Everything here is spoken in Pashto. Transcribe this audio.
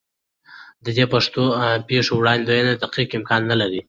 د دې پېښو وړاندوینه دقیق امکان نه لري.